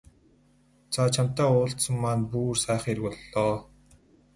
За чамтай уулзсан маань бүр сайн хэрэг боллоо.